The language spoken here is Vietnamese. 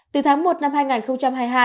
từ tháng một năm hai nghìn hai mươi hai